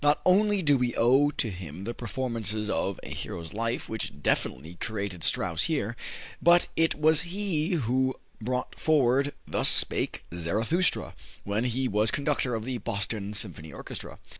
Not only do we owe to him the performances of "A Hero's Life," which definitely "created" Strauss here, but it was he who brought forward "Thus Spake Zarathustra," when he was conductor of the Boston Symphony Orchestra.